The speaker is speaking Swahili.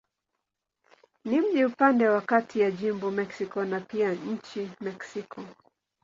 Ni mji upande wa kati ya jimbo Mexico na pia nchi Mexiko.